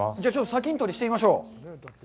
砂金採り、してみましょう。